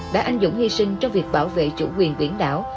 đã anh dũng hy sinh trong việc bảo vệ chủ quyền biển đảo